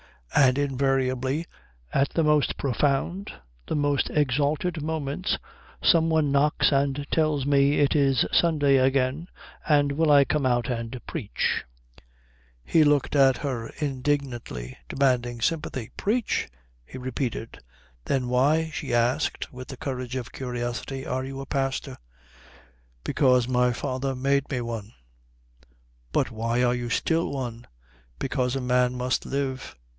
And invariably at the most profound, the most exalted moments some one knocks and tells me it is Sunday again, and will I come out and preach." [Illustration: "Then why," she asked, with the courage of curiosity, "are you a pastor?"] He looked at her indignantly, demanding sympathy. "Preach!" he repeated. "Then why," she asked, with the courage of curiosity, "are you a pastor?" "Because my father made me one." "But why are you still one?" "Because a man must live."